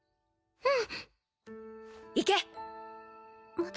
うん！